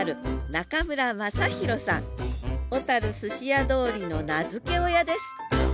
小寿司屋通りの名付け親です